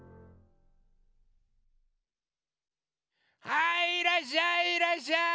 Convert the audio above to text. はいいらっしゃいいらっしゃい！